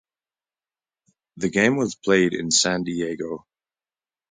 The game was played in San Diego.